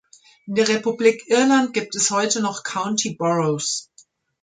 In der Republik Irland gibt es heute noch "County Boroughs".